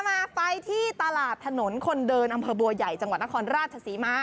มาไปที่ตลาดถนนคนเดินอำเภอบัวใหญ่จังหวัดนครราชศรีมา